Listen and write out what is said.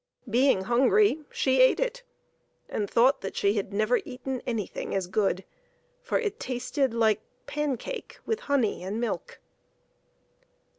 Being hungry she ate it, and thought that she had never eaten anything as good, for it tasted like pancake with honey and milk.